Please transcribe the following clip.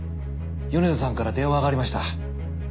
米田さんから電話がありました。